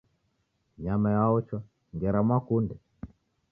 Nyama yaochwa ngera mwakunde.